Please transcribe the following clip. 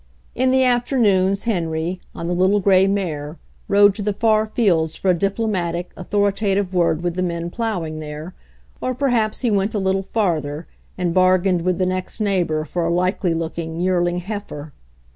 In the afternoons Henry, on the little gray 36 HENRY FORD'S OWN STORY mare, rode to the far fields for a diplomatic, au thoritative word with the men plowing there, or perhaps he went a little farther, and bargained with the next neighbor for a likely looking year ling heifer.